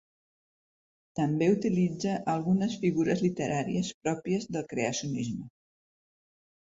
També utilitza algunes figures literàries pròpies del creacionisme.